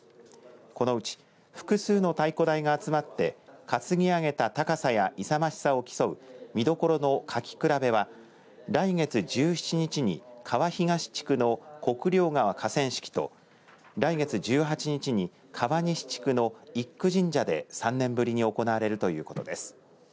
このうち複数の太鼓台が集まって担ぎ上げた高さや勇ましさを競う見どころのかきくらべは来月１７日に川東地区の国領川河川敷と来月１８日に川西地区の一宮神社で３年ぶりに行われるということです。